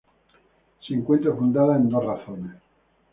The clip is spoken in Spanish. Se encuentra fundada en dos razones.